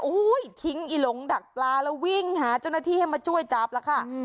ทิ้งอีหลงดักปลาแล้ววิ่งหาเจ้าหน้าที่ให้มาช่วยจับแล้วค่ะ